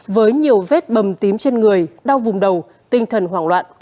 với nhiều vết bầm tím trên người đau vùng đầu tinh thần hoảng loạn